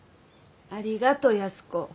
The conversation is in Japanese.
ありがと安子。